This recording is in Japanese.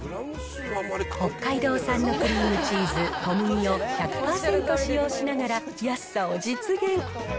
北海道産のクリームチーズ、小麦を１００％使用しながら、安さを実現。